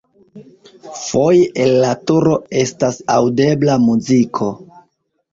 Foje el la turo estas aŭdebla muziko.